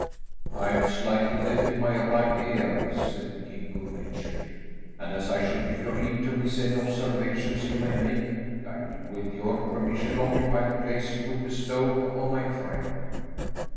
"I am slightly deaf in my right ear," said the king good naturedly, "and as I should be grieved to miss any observations you may make, I will, with your permission, occupy the place you would bestow upon my friend."